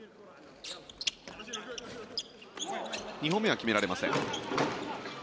２本目は決められません。